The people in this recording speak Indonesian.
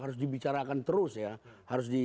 harus dibicarakan terus ya